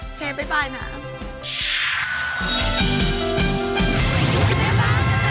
เชฟบ๊ายบายนะ